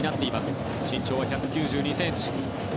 身長は１９２ｃｍ。